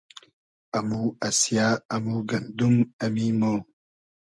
امو اسیۂ ، امو گئندوم ، امی مۉ